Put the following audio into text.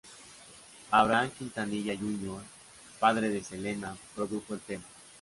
Abraham Quintanilla Jr., padre de Selena, produjo el tema.